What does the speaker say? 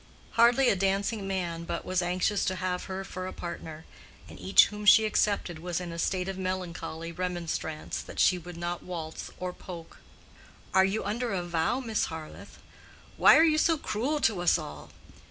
Hardly a dancing man but was anxious to have her for a partner, and each whom she accepted was in a state of melancholy remonstrance that she would not waltz or polk. "Are you under a vow, Miss Harleth?"—"Why are you so cruel to us all?"